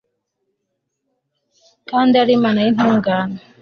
kandi ari imana y'intungane